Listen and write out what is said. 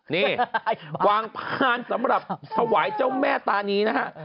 นี่วางพานสำหรับถวายเจ้าแม่ตานีนะฮะ